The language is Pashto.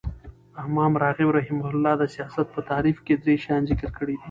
امام راغب رحمة الله د سیاست په تعریف کښي درې شیان ذکر کړي دي.